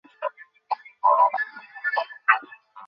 এখানে বলা আবশ্যক যে, নির্গুণ ব্রহ্মবাদই সর্বপ্রকার নীতিবিজ্ঞানের ভিত্তি।